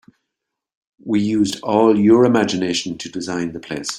We used all your imgination to design the place.